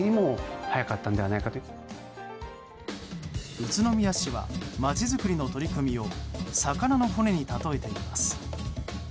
宇都宮市は街づくりの取り組みを魚の骨に例えています。